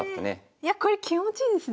いやこれ気持ちいいですね。